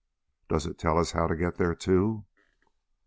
"Does it tell us how to get there, too?"